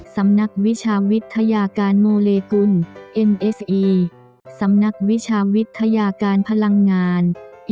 สำนักวิชาวิทยาการโมเลกุลเอ็มเอสอีสำนักวิชาวิทยาการพลังงาน